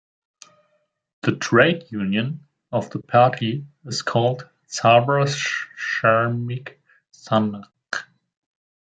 The trade union of the party is called Sarva Shramik Sangh.